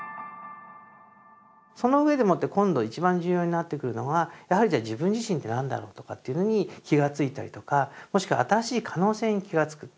その上でもって今度一番重要になってくるのはやはりじゃ自分自身って何だろうとかっていうのに気が付いたりとかもしくは新しい可能性に気が付く。